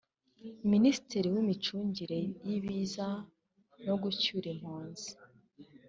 Minisitiri w’Imicungire y’Ibiza no gucyura impunzi